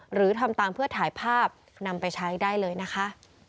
หรือทำตามเพื่อถ่ายภาพนำไปใช้ได้เลยนะคะ